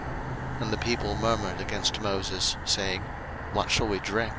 02:015:024 And the people murmured against Moses, saying, What shall we drink?